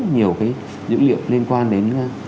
nhiều cái dữ liệu liên quan đến